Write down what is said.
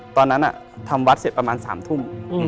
ตอนนั้นทำวัดเสร็จประมาณ๓ทุ่ม